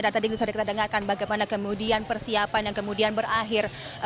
dan tadi kita sudah dengarkan bagaimana kemudian persiapan yang kemudian berakhir